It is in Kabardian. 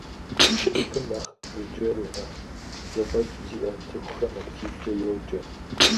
Гупым нэхъ жыджэру, нэхъ зэфӏэкӏ зиӏэ цӏыхухэм активкӏэ йоджэ.